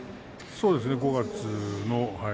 そうですね、５月。